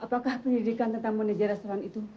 apakah pendidikan tentang moneja rasuan itu